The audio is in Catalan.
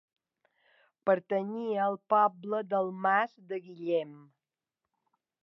Pertanyia al poble del Mas de Guillem.